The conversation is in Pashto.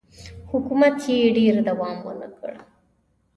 حکومت یې ډېر دوام ونه کړ